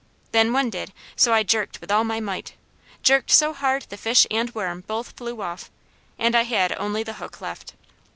Then one did, so I jerked with all my might, jerked so hard the fish and worm both flew off, and I had only the hook left.